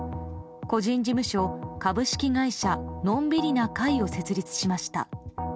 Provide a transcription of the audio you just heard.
個人事務所、株式会社のんびりなかいを設立しました。